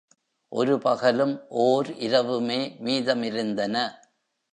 ஒரு பகலும் ஓர் இரவுமே மீதமிருந்தன.